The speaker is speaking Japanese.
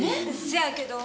せやけど